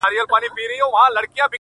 o لونگيه دا خبره دې سهې ده؛